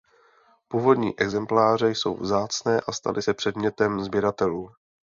Původní exempláře jsou vzácné a staly se předmětem sběratelů.